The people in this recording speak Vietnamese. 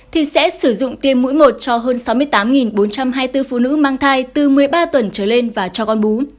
thì sẽ sử dụng tiêm mũi một cho hơn sáu mươi tám bốn trăm hai mươi bốn phụ nữ mang thai từ một mươi ba tuần trở lên và cho con bú